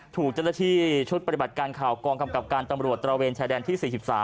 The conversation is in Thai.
ถูกเจ้าหน้าที่ชุดปฏิบัติการข่าวกองกำกับการตำรวจตระเวนชายแดนที่๔๓